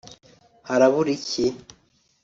Harabura iki